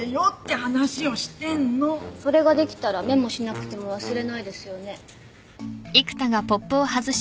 それができたらメモしなくても忘れないですよね。